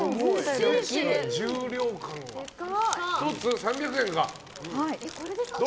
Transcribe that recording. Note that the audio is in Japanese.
１つ３００円。